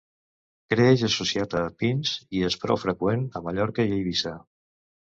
Creix associat a pins i és prou freqüent a Mallorca i Eivissa.